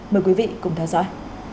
mời quý vị cùng theo dõi